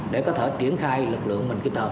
để có thể triển khai lực lượng mình kinh tờ